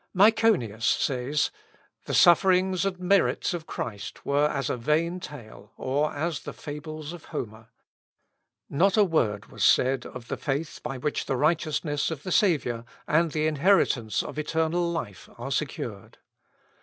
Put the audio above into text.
Myconius says, "The sufferings and merits of Christ were as a vain tale, or as the Fables of Homer. Not a word was said of the faith by which the righteousness of the Saviour, and the inheritance of eternal life, are secured.